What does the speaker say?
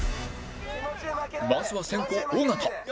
まずは先攻尾形